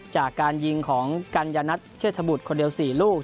จากการยิงของกัญญานัทเชษฐบุตรคนเดียว๔ลูก